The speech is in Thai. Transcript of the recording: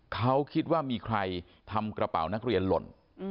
เขาคิดว่ามีใครทำกระเป๋านักเรียนหล่น